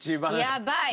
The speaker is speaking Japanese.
やばい。